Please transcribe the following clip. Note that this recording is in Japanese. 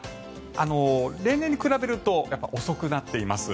例年に比べると遅くなっています。